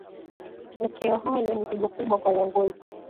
okeo hayo ni pigo kubwa kwa uongozi